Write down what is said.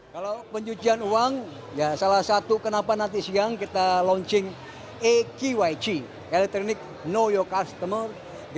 kalau penyucian uang salah satu kenapa nanti siang kita launching e kiwai ci electronic know your customer